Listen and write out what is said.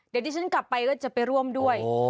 เดี๋ยวที่ฉันกลับไปก็จะไปร่วมด้วย